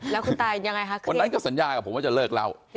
แล้วคุณตายังไงคะคุณวันนั้นก็สัญญากับผมว่าจะเลิกเล่า